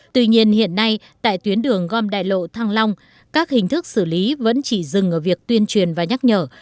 tuy nhiên hiện nay tại tuyến đường gom đại lộ thăng long các hình thức xử lý vẫn chỉ dừng ở việc tuyên truyền và nhắc nhở